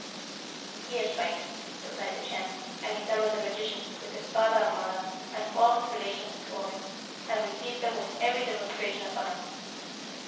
"'He is right,' replied the Chan, and he summoned the magician, with his father and mother, and all his relations before him, and received them with every demonstration of honour.